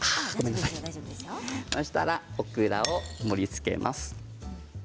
そうしたらオクラを盛りつけます。